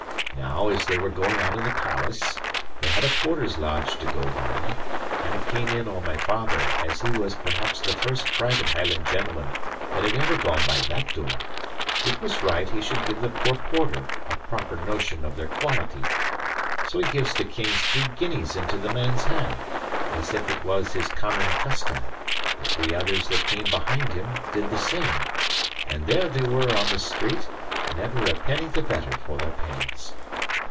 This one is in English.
Now, as they were going out of the palace, they had a porter's lodge to go by; and it came in on my father, as he was perhaps the first private Hieland gentleman that had ever gone by that door, it was right he should give the poor porter a proper notion of their quality. So he gives the King's three guineas into the man's hand, as if it was his common custom; the three others that came behind him did the same; and there they were on the street, never a penny the better for their pains.